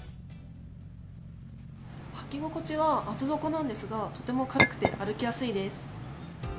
履き心地は厚底なんですがとても軽くて歩きやすいです。